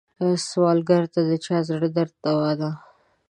سوالګر ته د چا زړه درد دوا ده